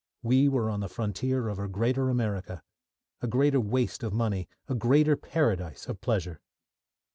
We were on the frontier of a greater America, a greater waste of money, a greater paradise of pleasure.